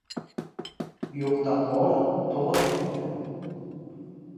• “Yo‘q”dan “bor” tug‘ilmaydi.